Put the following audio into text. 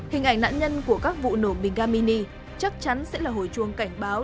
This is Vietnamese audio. hình ảnh nạn nhân của các vụ nổ bingamini chắc chắn sẽ là hồi chuông cảnh báo